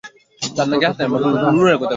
তাদের হেফাজতে নাও।